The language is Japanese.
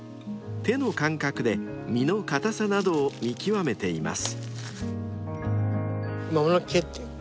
［手の感覚で実の硬さなどを見極めています］